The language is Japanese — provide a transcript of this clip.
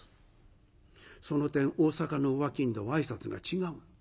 その点大阪のお商人は挨拶が違う。